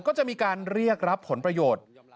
ก็จะมีการเรียกรับผลประโยชน์